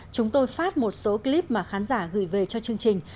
chúng tôi phát một số clip mà khán giả gửi về cho chương trình